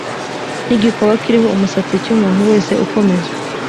n’igikoba kiriho umusatsi cy’umuntu wese ukomeza